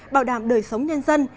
bảo đảm đời sống nhân dân